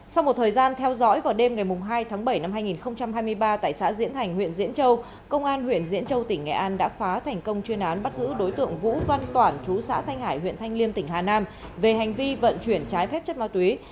sau một thời gian theo dõi vào đêm ngày hai tháng bảy năm hai nghìn hai mươi ba tại xã diễn hành huyện diễn châu công an huyện diễn châu tỉnh nghệ an đã phá thành công chuyên án bắt giữ đối tượng vũ văn toản chú xã thanh hải huyện thanh liêm tỉnh hà nam về hành vi vận chuyển trái phép chất ma túy